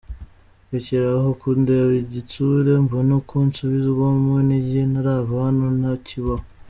Rekera aho kundeba igitsure, Mbone uko nsubizwamo intege, Ntarava hano ntakibaho.